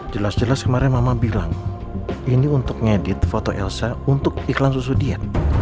jelas jelas kemarin mama bilang ini untuk ngedit foto elsa untuk iklan susu dia